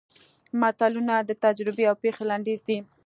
متلونه د تجربې او پېښې لنډیز دي